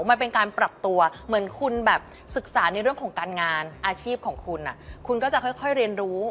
มันเป็นการปรับตัวเหมือนคุณแบบศึกษาในเรื่องของการงานอาชีพของคุณคุณก็จะค่อยเรียนรู้